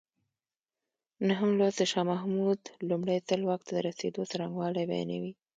نهم لوست د شاه محمود لومړی ځل واک ته رسېدو څرنګوالی بیانوي.